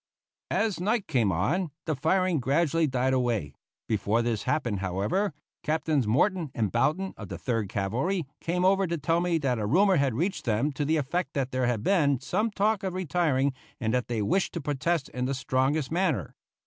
As night came on, the firing gradually died away. Before this happened, however, Captains Morton and Boughton, of the Third Cavalry, came over to tell me that a rumor had reached them to the effect that there had been some talk of retiring and that they wished to protest in the strongest manner.